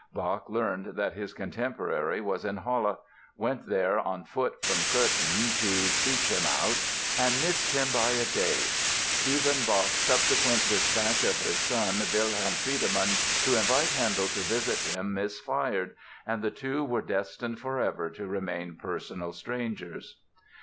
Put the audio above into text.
Bach learned that his contemporary was in Halle, went there on foot from Coethen to seek him out and—missed him by a day! Even Bach's subsequent dispatch of his son, Wilhelm Friedemann, to invite Handel to visit him misfired and the two were destined forever to remain personal strangers.